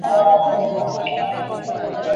এখন ঘুমিয়ে পড়ো।